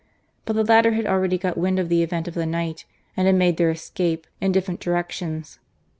But the latter had already got wind of the event of the night, and had made their escape in different directions.